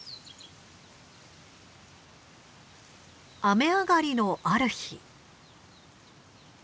雨上がりのある日。